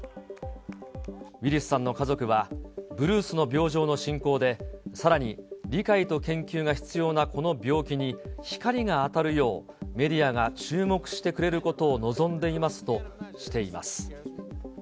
ウィリスさんの家族はブルースの病状の進行で、さらに理解と研究が必要なこの病気に光が当たるよう、メディアが注目してくれることを望んでいますとしています。